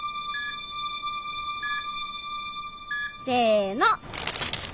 せの！